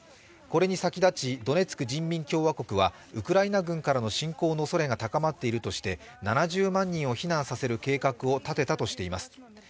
これに先立ち、ドネツク人民共和国はウクライナ軍からの侵攻のおそれが高まっているとして、７０万人を避難させる計画を立てたとしています。